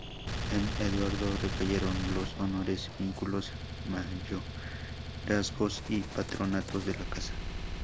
En Eduardo recayeron los honores, vínculos, mayorazgos y patronatos de la casa.